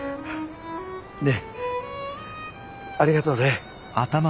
ねえありがとね。